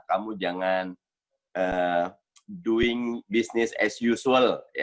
kamu jangan doing business as usual